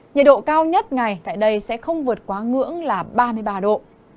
nhiệt độ cao nhất ngày tại đây sẽ không vượt quá ngưỡng là ba mươi ba độ